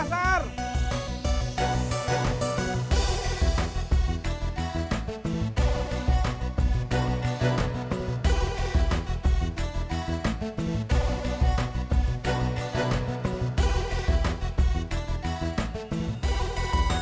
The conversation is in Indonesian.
kita cuma belajar berbual